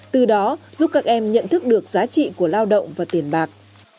từ đó giúp các em nhận thức được giá trị của lao động và tiền bạc